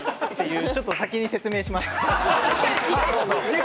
ちょっと先に説明します。